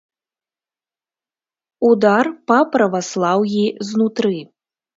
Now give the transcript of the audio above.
Удар па праваслаўі знутры.